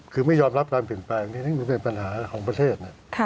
คือไม่ยอมรับการเปลี่ยนแปลงอันนี้มันเป็นปัญหาของประเทศ